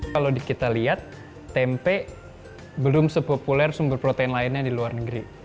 kalau kita lihat tempe belum sepopuler sumber protein lainnya di luar negeri